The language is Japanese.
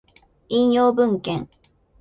引用文献